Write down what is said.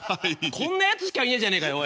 こんなやつしかいねえじゃねえかよ。